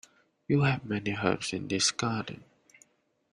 You have many herbs in this garden.